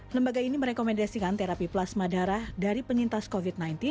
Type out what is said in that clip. lembaga ini merekomendasikan terapi plasma darah dari penyintas covid sembilan belas